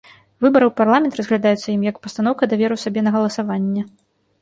Выбары ў парламент разглядаюцца ім як пастаноўка даверу сабе на галасаванне.